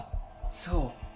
そう。